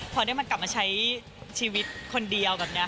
พอได้มันกลับมาใช้ชีวิตคนเดียวแบบนี้